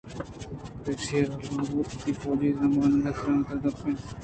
پریشیءَ آ گل بوت ءُوتی فوج ءِ زمانگ ءِ ترٛانگاں کپت